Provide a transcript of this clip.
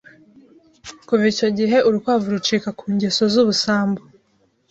Kuva icyo gihe urukwavu rucika ku ngeso z'ubusambo